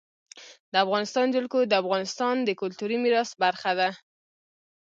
د افغانستان جلکو د افغانستان د کلتوري میراث برخه ده.